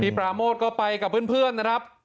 ปราโมทก็ไปกับเพื่อนนะครับ